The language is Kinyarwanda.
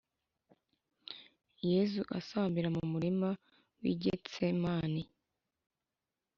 yezu asambira mu murima w’i getsemani